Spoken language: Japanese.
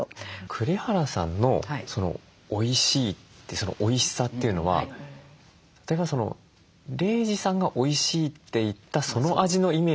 栗原さんの「おいしい」ってそのおいしさというのは例えば玲児さんがおいしいって言ったその味のイメージなのか。